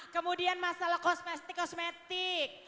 kemudian masalah kosmetik kosmetik